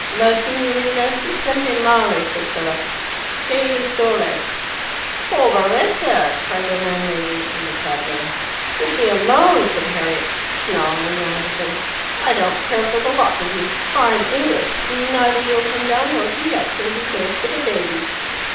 "La signorina si sente male," said Philip, "C' e il sole." "Poveretta!" cried the landlady and the cabman. "Leave me alone!" said Harriet, snarling round at them. "I don't care for the lot of you. I'm English, and neither you'll come down nor he up till he goes for the baby."